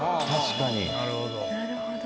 なるほど。